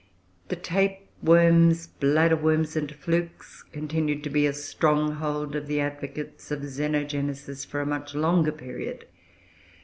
The tapeworms, bladderworms, and flukes continued to be a stronghold of the advocates of Xenogenesis for a much longer period.